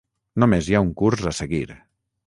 Només hi ha un curs a seguir.